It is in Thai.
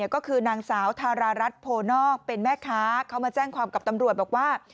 ก็คือนางสาวทารารัฐโพนอกเป็นแม่ค้าเขามาแจ้งความกับตำรวจบอกว่า